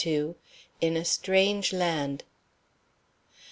IN A STRANGE LAND.